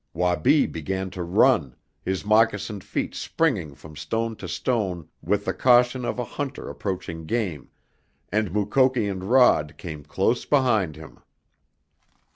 Wabi began to run, his moccasined feet springing from stone to stone with the caution of a hunter approaching game, and Mukoki and Rod came close behind him.